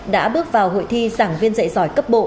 đã bước vào hội thi giảng viên dạy giỏi cấp bộ